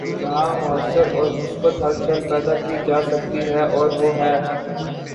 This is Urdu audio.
جہاں مؤثر اور مثبت ہلچل پیدا کی جا سکتی ہے‘ اور وہ ہے۔